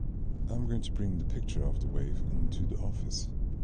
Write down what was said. I'm going to bring the picture of the wave into the office.